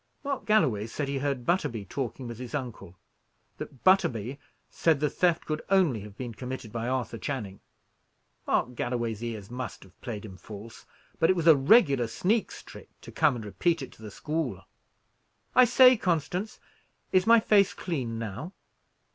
"Mark Galloway said he heard Butterby talking with his uncle; that Butterby said the theft could only have been committed by Arthur Channing. Mark Galloway's ears must have played him false; but it was a regular sneak's trick to come and repeat it to the school. I say, Constance, is my face clean now?"